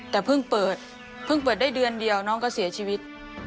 แต่เพิ่งเปิดได้เดือนเดียวน้องก็เสียชีวิต